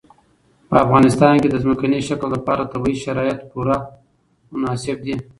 په افغانستان کې د ځمکني شکل لپاره طبیعي شرایط پوره مناسب دي.